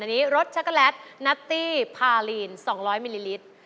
อันนี้รสชักโกแลตนัตตี้พาลีน๒๐๐มิลลิลิตร